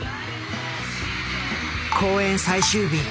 公演最終日。